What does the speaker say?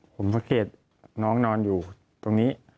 ผมสังเกตน้องนอนอยู่ตรงนี้